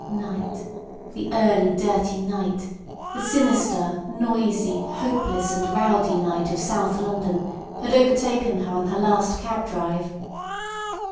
Night, the early dirty night, the sinister, noisy, hopeless and rowdy night of South London, had overtaken her on her last cab drive.